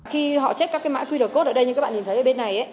khi họ chép các cái mã qr code ở đây như các bạn nhìn thấy ở bên này